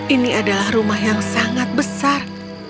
ini adalah rumah yang sangat besar